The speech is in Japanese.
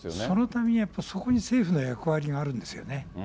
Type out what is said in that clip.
そのためにやっぱりそこに政府の役割があるんですよね。